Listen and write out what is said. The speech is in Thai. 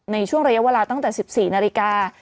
ในช่วงระยะเวลาตั้งแต่๑๔นาฬิกา